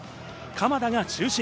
鎌田が中心。